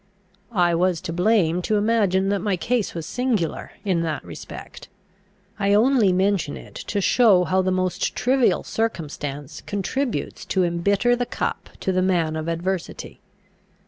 I was to blame to imagine that my case was singular in that respect. I only mention it to show how the most trivial circumstance contributes to embitter the cup to the man of adversity.